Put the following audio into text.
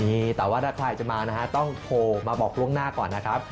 นี่แต่ว่าถ้าใครจะมานะฮะต้องโทรมาบอกล่วงหน้าก่อนนะครับ